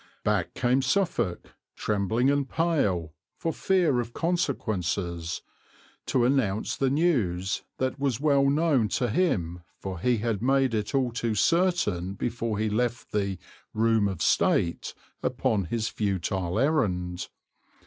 Back came Suffolk, trembling and pale, for fear of consequences, to announce the news that was known to him, for he had made it all too certain before he left the "room of state" upon his futile errand.